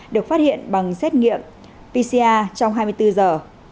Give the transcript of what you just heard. được phát hiện bằng xét nghiệm pcr trong hai mươi bốn giờ